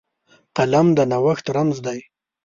قلم د نوښت رمز دی